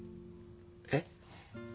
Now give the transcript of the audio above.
えっ？